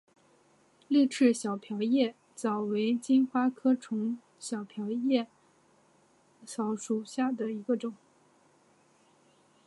丽翅小瓢叶蚤为金花虫科小瓢叶蚤属下的一个种。